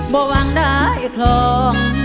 บ่อวางได้คลอง